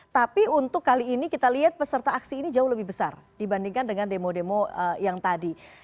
tapi untuk kali ini kita lihat peserta aksi ini jauh lebih besar dibandingkan dengan demo demo yang tadi